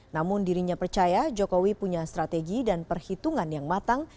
namun dirinya percaya jokowi punya strategi dan perhitungan yang matang